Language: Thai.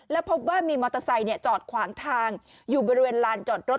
แล้วพบว่ามีมอเตอร์ไซค์จอดขวางทางอยู่บริเวณลานจอดรถ